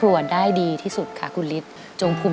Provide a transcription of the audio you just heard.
อะไรอะไรอ่ะ